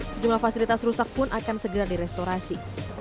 sejumlah fasilitas rusak pun akan segera direstorasi